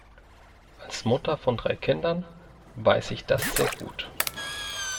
Als Mutter von drei Kindern weiß ich das sehr gut.